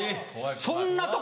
そんなとこ